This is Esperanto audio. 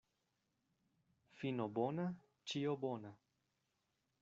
Fino bona, ĉio bona.